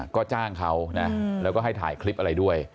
ก็จ้างเขานะแล้วก็ให้ถ่ายคลิปอะไรด้วย